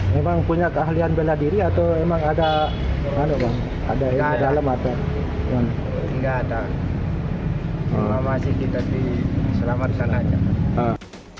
memang punya keahlian benadiri atau emang ada ada ada dalam atau enggak ada